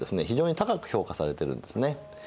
非常に高く評価されてるんですね。